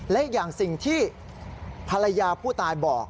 และอีกอย่างสิ่งที่ภรรยาผู้ตายบอก